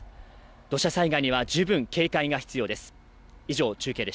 土砂災害には十分警戒が必要です。